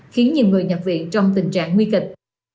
khiến nhiều người nhập viện trong tình trạng nguy kịch